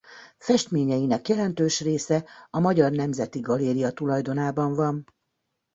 Festményeinek jelentős része a Magyar Nemzeti Galéria tulajdonában van.